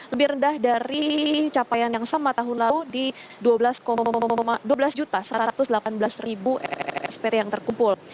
lebih rendah dari capaian yang sama tahun lalu di dua belas satu ratus delapan belas spt yang terkumpul